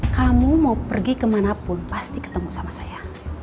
kamu mau pergi kemanapun pasti ketemu sama saya